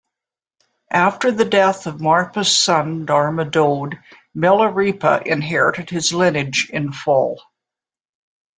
After the death of Marpa's son, Darma Dode, Milarepa inherited his lineage in full.